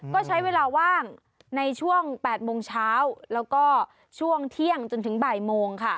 ก็ใช้เวลาว่างในช่วง๘โมงเช้าแล้วก็ช่วงเที่ยงจนถึงบ่ายโมงค่ะ